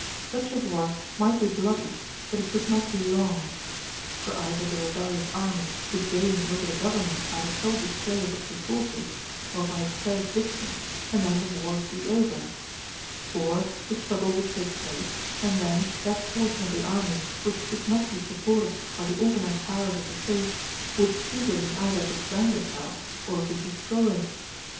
Such a war might be bloody, but it could not be long; for either the rebellious army would gain over the government by the sole display of its resources, or by its first victory, and then the war would be over; or the struggle would take place, and then that portion of the army which should not be supported by the organized powers of the State would speedily either disband itself or be destroyed.